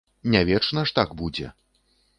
Не вечна ж так будзе.